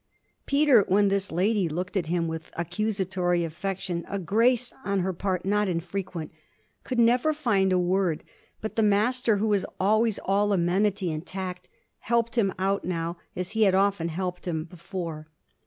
Peter, when this lady looked at him with accusatory affection a grace on her part not infrequent could never find a word; but the Master, who was always all amenity and tact, helped him out now as he had often helped him before.